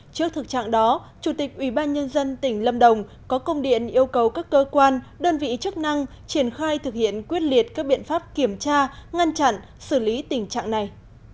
trước thực trạng đó chủ tịch ubnd tỉnh lâm đồng có công điện yêu cầu các cơ quan đơn vị chức năng triển khai thực hiện quyết liệt các biện pháp kiểm tra ngăn chặn xử lý tình trạng này